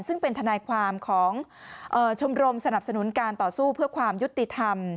ซึ่งเป็นทนายความของชมรมสนับสนุนการต่อสู้เพื่อความยุติธรรม